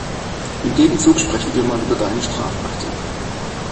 Im Gegenzug sprechen wir mal über deine Strafakte.